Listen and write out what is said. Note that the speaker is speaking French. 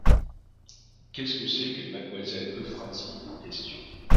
Qu’est-ce que c’est que mademoiselle Euphrasie en question